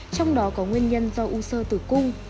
trong đó có nguyên nhân do u sơ tử cung